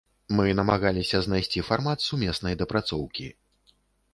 Мы намагаліся знайсці фармат сумеснай дапрацоўкі.